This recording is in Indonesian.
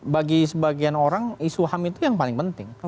bagi sebagian orang isu ham itu yang paling penting